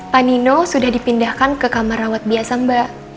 pak nino sudah dipindahkan ke kamar rawat biasa mbak